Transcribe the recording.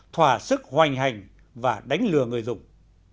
thỏa sức hoành hành và đánh lừa người dùng